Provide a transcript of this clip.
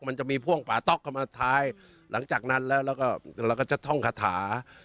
มันจะมีพ่วงป่าต๊อกเข้ามาท้ายหลังจากนั้นแล้วแล้วก็เราก็จะท่องคาถา